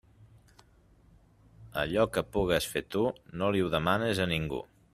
Allò que pugues fer tu no li ho demanes a ningú.